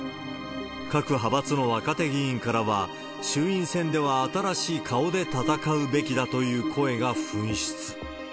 各派閥の若手議員からは、衆院選では新しい顔で戦うべきだという声が噴出。